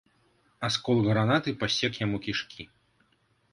Асколак гранаты пасек яму кішкі.